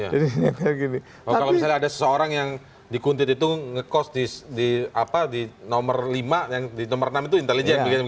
kalau misalnya ada seseorang yang dikuntit itu ngekos di nomor lima yang di nomor enam itu intelijen